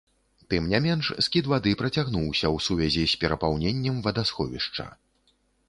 Тым не менш, скід вады працягнуўся ў сувязі з перапаўненнем вадасховішча.